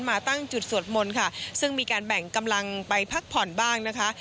มาตั้งจุดสวดมนต์ค่ะซึ่งมีการแบ่งกำลังไปพักผ่อนบ้างนะคะ